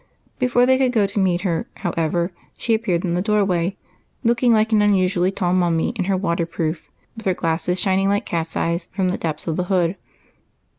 Before they couki go to meet her, however, she appeared in the door way looking like an unusually tall mummy in her waterproof, with her glasses shin ing like cat's eyes from the depths of the hood.